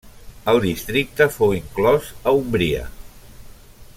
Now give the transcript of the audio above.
El districte fou inclòs a Úmbria.